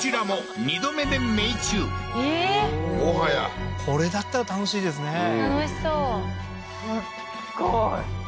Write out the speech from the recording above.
もはやこれだったら楽しいですね